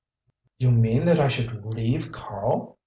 "You mean that I should leave Karl?"